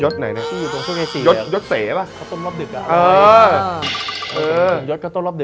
กินร้อนไม่ต้องอาย